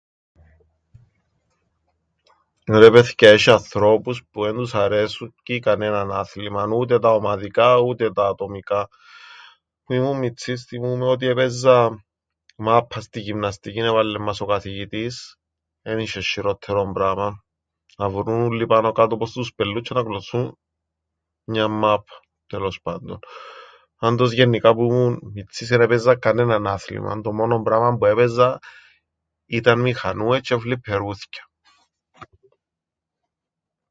Ρε παιθκιά, έσ̆ει αθρώπους που εν τους αρέσκει κανέναν άθλημαν, ούτε τα ομαδικά ούτε τα ατομικά. Που ήμουν μιτσής θθυμούμαι ότι έπαιζα μάππαν, στην γυμναστικήν έβαλλεν μας ο καθηγητής - εν είσ̆εν σ̆ειρόττερον πράμαν: να βουρούν ούλλοι πάνω - κάτω όπως τους πελλούς τζ̆αι να κλοτσούν μιαν μάππαν. Τέλος πάντων... Πάντως γεννικά που 'μουν μιτσής εν έπαιζα κανέναν άθλημαν, το μόνον πράμαν που έπαιζα ήταν μηχανούες τζ̆αι φλιππερούθκια.